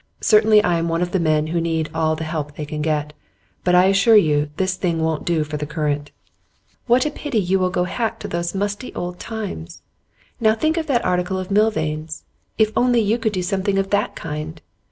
Certainly, I am one of the men who need all the help they can get. But I assure you, this thing won't do for The Current.' 'What a pity you will go back to those musty old times! Now think of that article of Milvain's. If only you could do something of that kind!